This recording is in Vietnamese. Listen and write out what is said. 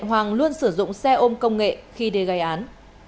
hoàng luôn sử dụng xe ôm công nghệ khi đi gây án